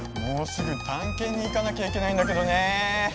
もうすぐたんけんにいかなきゃいけないんだけどね。